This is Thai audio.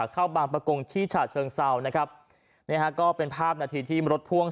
เข้าบางประกงที่ฉะเชิงเซานะครับนี่ฮะก็เป็นภาพนาทีที่รถพ่วง